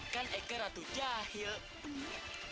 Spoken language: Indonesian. kan eke ratu jahil